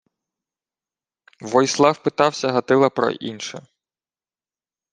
Войслав питався Гатила про інше: